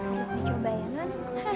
ya harus dicoba ya non